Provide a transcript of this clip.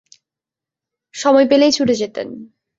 সময় পেলেই ছুটে যেতেন।